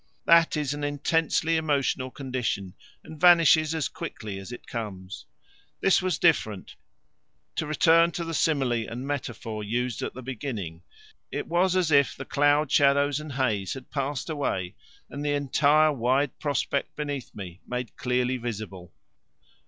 That is an intensely emotional condition and vanishes as quickly as it comes. This was different. To return to the simile and metaphor used at the beginning, it was as if the cloud shadows and haze had passed away and the entire wide prospect beneath me made clearly visible.